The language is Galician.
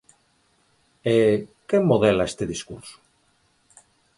E, quen modela ese discurso?